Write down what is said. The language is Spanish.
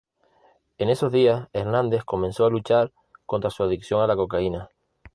En esos días Hernández comenzó a luchar contra su adicción a la cocaína.